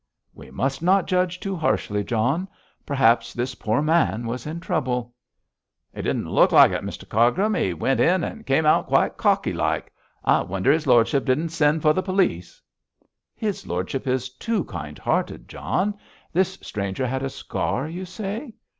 'We must not judge too harshly, John. Perhaps this poor man was in trouble.' 'He didn't look like it, Mr Cargrim. He went in and came out quite cocky like. I wonder his lordship didn't send for the police.' 'His lordship is too kind hearted, John. This stranger had a scar, you say?'